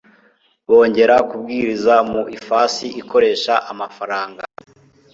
bongera kubwiriza mu ifasi ikoresha amafaranga